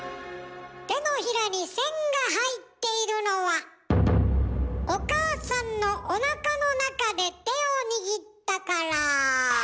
手のひらに線が入っているのはお母さんのおなかの中で手を握ったから！